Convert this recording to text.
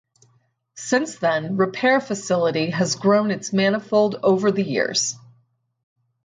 Since then Repair facility has grown its manifold over the years.